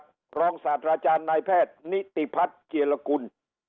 รองศาสตราจารย์นายแพทย์นิติพัฒน์เจียรกุล